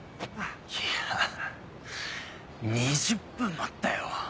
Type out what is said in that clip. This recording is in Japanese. いや２０分待ったよ。